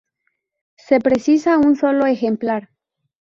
Se precisa un solo ejemplar.